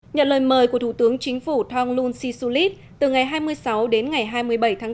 nhận lời mời của thủ tướng chính phủ thonglun sisulit từ ngày hai mươi sáu đến ngày hai mươi bảy tháng bốn